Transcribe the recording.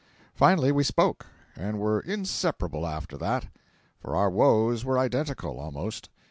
Finally we spoke, and were inseparable after that. For our woes were identical, almost.